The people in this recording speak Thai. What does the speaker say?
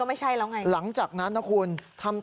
แต่หลังจากนั้นก็ไม่ใช่แล้วไง